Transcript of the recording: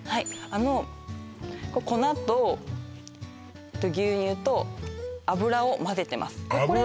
あの粉と牛乳と油をまぜてます油？